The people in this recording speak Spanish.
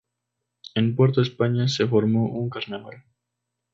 En Puerto España se formó un carnaval.